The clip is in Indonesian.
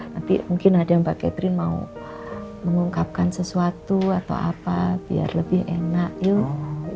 nanti mungkin ada yang mbak catherine mau mengungkapkan sesuatu atau apa biar lebih enak yuk